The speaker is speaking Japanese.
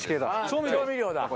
調味料だ。